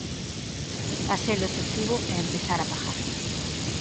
Facelo efectivo e empezar a pagar.